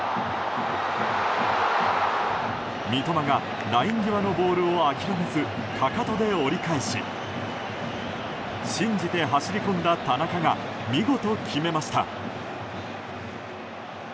三笘がライン際のボールを諦めずかかとで折り返し信じて走り込んだ田中が見事決めました。